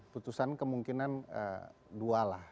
putusan kemungkinan dua lah